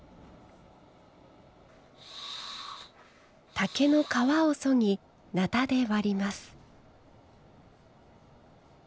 竹の皮をそぎなたで割ります。